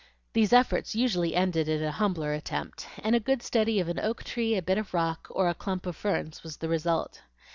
These efforts usually ended in a humbler attempt, and a good study of an oak tree, a bit of rock, or a clump of ferns was the result.